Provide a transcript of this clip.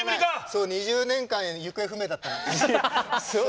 そう２０年間行方不明だったの。